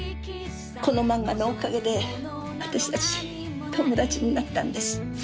この漫画のおかげで私たち、友達になったんです。